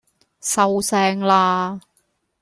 收聲啦